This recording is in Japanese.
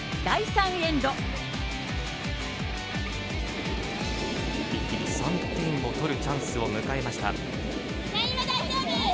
第３エンド。